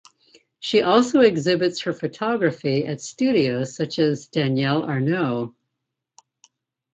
She also exhibits her photography at studios such as Danielle Arnaud.